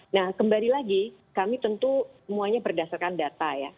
nah kembali lagi kami tentu semuanya berdasarkan data ya